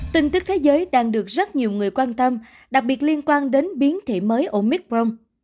tin tức thế giới đang được rất nhiều người quan tâm đặc biệt liên quan đến biến thể mới ở micron